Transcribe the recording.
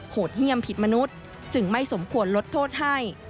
โหดเยี่ยมผิดมนุษย์จึงไม่สมควรลดโทษให้